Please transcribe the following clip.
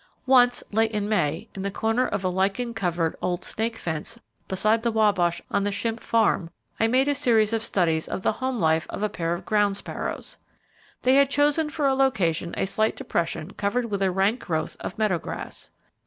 Once late in May, in the corner of a lichen covered, old snake fence beside the Wabash on the Shimp farm, I made a series of studies of the home life of a pair of ground sparrows. They had chosen for a location a slight depression covered with a rank growth of meadow grass.